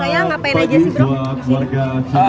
biasanya ngapain aja sih bro